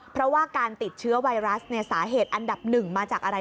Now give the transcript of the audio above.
เพราะว่าการติดเชื้อไวรัสสาเหตุอันดับหนึ่งมาจากอะไร